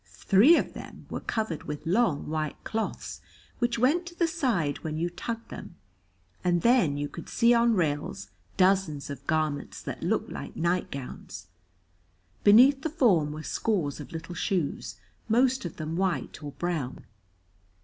Three of them were covered with long white cloths, which went to the side when you tugged them, and then you could see on rails dozens of garments that looked like nightgowns. Beneath the form were scores of little shoes, most of them white or brown.